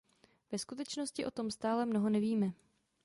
Ve skutečnosti o tom stále mnoho nevíme.